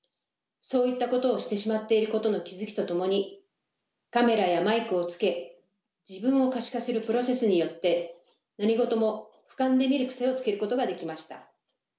そういったことをしてしまっていることの気付きとともにカメラやマイクをつけ自分を可視化するプロセスによって何事もふかんで見る癖をつけることができました。